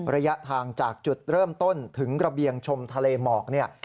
ระยะทางจากจุดเริ่มต้นถึงระเบียงชมทะเลหมอกเนี่ย